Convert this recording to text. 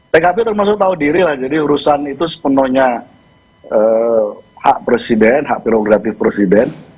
tkp termasuk tahu diri lah jadi urusan itu sepenuhnya hak presiden hak prerogatif presiden